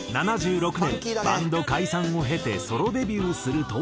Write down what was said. １９７６年バンド解散を経てソロデビューすると。